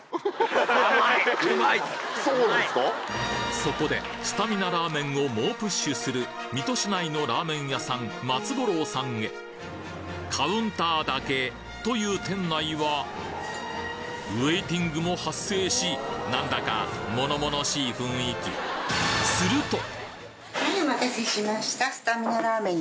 そこでスタミナラーメンを猛プッシュする水戸市内のラーメン屋さんカウンターだけという店内はウェイティングも発生し何だか物々しい雰囲気はいお待たせしました。